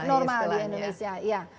normal di indonesia